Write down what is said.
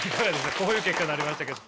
こういう結果になりましたけど。